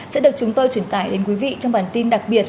sẽ được chúng tôi truyền tải đến quý vị trong bản tin đặc biệt